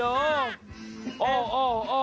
โอ้โฮโหเป็นไงฮะ